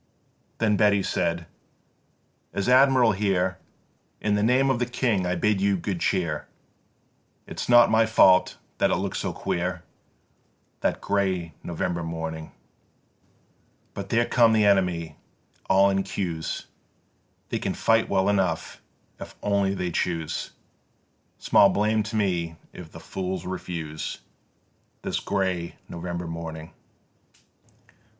4. Then Beatty said: "As Admiral here In the name of the King I bid you good cheer: It's not my fault that it looks so queer This grey November morning; But there come the enemy all in queues; They can fight well enough if only they choose; Small blame to me if the fools refuse, This grey November morning.